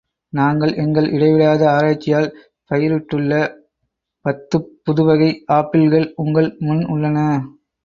நாங்கள், எங்கள் இடைவிடாத ஆராய்ச்சியால் பயிரிட்டுள்ள பத்துப் புதுவகை ஆப்பிள்கள் உங்கள் முன் உள்ளன.